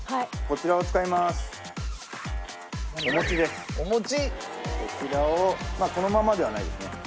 こちらをまあこのままではないですね。